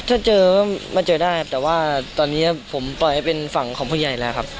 ถ้าเจอก็มาเจอได้แต่ว่าตอนนี้ผมปล่อยให้เป็นฝั่งของผู้ใหญ่แล้วครับ